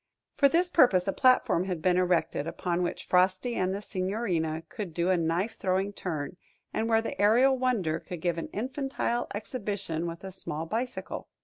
For this purpose a platform had been erected, upon which Frosty and the Signorina could do a knife throwing turn; and where the Aerial Wonder could give an infantile exhibition with a small bicycle.